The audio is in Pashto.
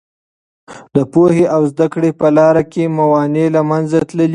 د پوهې او زده کړې په لاره کې موانع له منځه تللي.